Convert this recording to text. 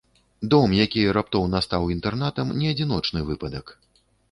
Дом, які раптоўна стаў інтэрнатам, не адзіночны выпадак.